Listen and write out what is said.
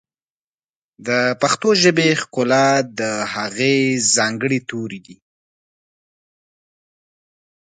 د پښتو ژبې ښکلا د هغې ځانګړي توري دي.